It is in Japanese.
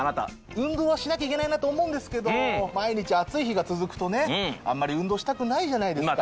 運動はしなきゃいけないなと思うんですけど毎日暑い日が続くとねあんまり運動したくないじゃないですか。